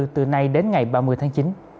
từ nay đến ngày ba mươi tháng chín